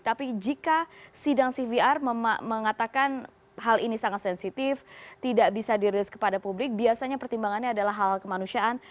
tapi jika sidang cvr mengatakan hal ini sangat sensitif tidak bisa dirilis kepada publik biasanya pertimbangannya adalah hal hal kemanusiaan